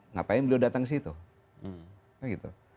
ngapain beliau datang ke situ